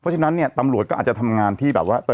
เพราะฉะนั้นเนี่ยตำรวจก็อาจจะทำงานที่แบบว่า